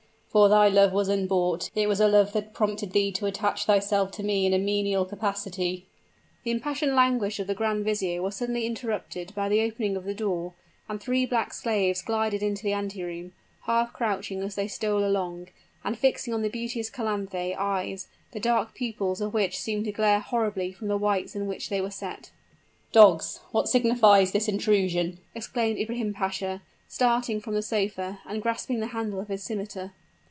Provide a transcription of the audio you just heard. For thy love was unbought it was a love that prompted thee to attach thyself to me in a menial capacity " The impassioned language of the grand vizier was suddenly interrupted by the opening of the door, and three black slaves glided into the anteroom half crouching as they stole along and fixing on the beauteous Calanthe eyes, the dark pupils of which seemed to glare horribly from the whites in which they were set. "Dogs! what signifies this intrusion?" exclaimed Ibrahim Pasha, starting from the sofa, and grasping the handle of his scimiter.